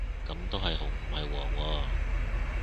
噉都係紅唔係黃喎